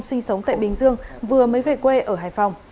sinh sống tại bình dương vừa mới về quê ở hải phòng